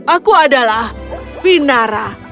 aku adalah vinara